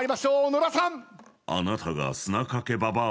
野田さん。